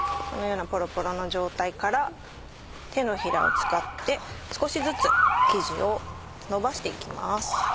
このようなポロポロの状態から手のひらを使って少しずつ生地をのばして行きます。